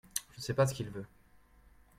je ne sais pas ce qu'il veut.